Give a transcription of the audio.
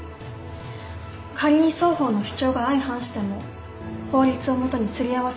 仮に双方の主張が相反しても法律を基にすり合わせればいい。